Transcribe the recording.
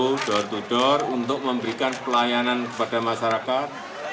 vaksinasi dari pintu ke pintu untuk memberikan pelayanan kepada masyarakat